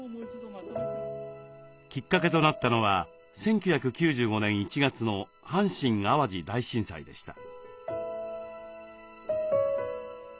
きっかけとなったのは１９９５年１月の阪神・淡路大震災でした。